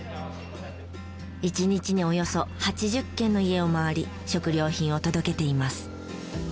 １日におよそ８０軒の家を回り食料品を届けています。